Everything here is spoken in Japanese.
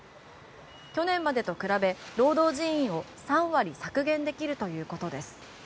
去年までと比べ、労働人員を３割削減できるということです。